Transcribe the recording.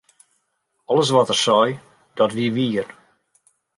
Alles wat er sei, dat wie wier.